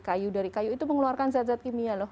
kayu dari kayu itu mengeluarkan zat zat kimia loh